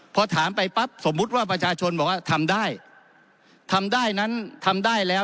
พอถามไปปั๊บสมมุติว่าประชาชนบอกว่าทำได้ทำได้นั้นทำได้แล้ว